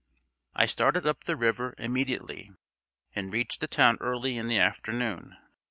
I started up the river immediately, and reached the town early in the afternoon.